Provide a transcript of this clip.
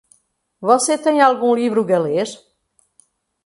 Você tem algum livro galês?